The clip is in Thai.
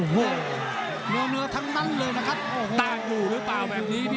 หมวงเนื้อทั้งนั้นเลยนะครับ